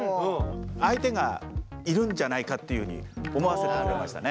相手がいるんじゃないかっていうふうに思わせてくれましたね。